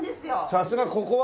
さすがここは。